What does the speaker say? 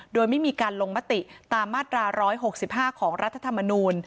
โดยไม่มีการลงมติตามมาตรา๑๖๕ของรัฐธรรมนูล